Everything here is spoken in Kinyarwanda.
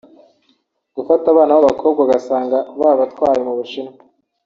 gufata abana b’abakobwa ugasanga babatwaye mu Bushinwa